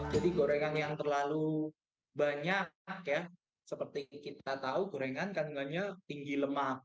jadi gorengan yang terlalu banyak ya seperti kita tahu gorengan kandungannya tinggi lemak